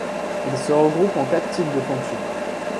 Ils se regroupent en quatre types de fonction.